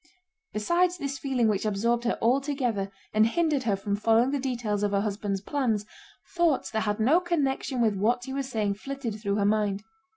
Besides this feeling which absorbed her altogether and hindered her from following the details of her husband's plans, thoughts that had no connection with what he was saying flitted through her mind.